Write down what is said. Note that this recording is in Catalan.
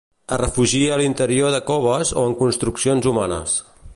Es refugia a l'interior de coves o en construccions humanes.